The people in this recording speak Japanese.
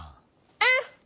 うん！